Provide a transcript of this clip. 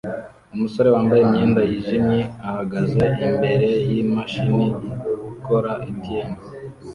Umusore wambaye imyenda yijimye ahagaze imbere yimashini ikora ATM